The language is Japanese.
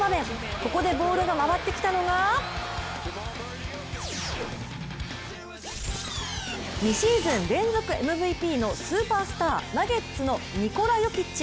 ここでボールが回ってきたのが２シーズン連続ＭＶＰのスーパースター、ナゲッツのニコラ・ヨキッチ。